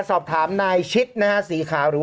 โอเคโอเคโอเคโอเค